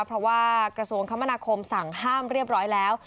เพราะว่ากระทรวงคมนาคมสั่งห้ามเรียบร้อยแล้ว